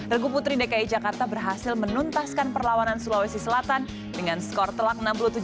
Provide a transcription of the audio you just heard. regu putri dki jakarta berhasil menuntaskan perlawanan sulawesi selatan dengan skor telak enam puluh tujuh dua puluh